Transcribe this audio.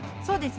そう。